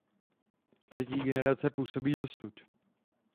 Třetí generace působí dosud.